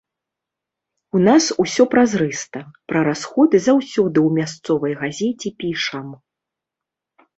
У нас усё празрыста, пра расходы заўсёды ў мясцовай газеце пішам.